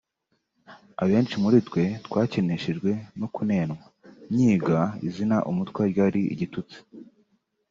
Abenshi muri twe twakeneshejwe no kunenwa Nkiga izina umutwa ryari igitutsi